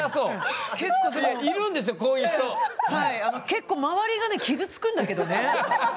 結構周りがね傷つくんだけどね。